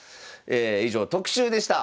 以上特集でした。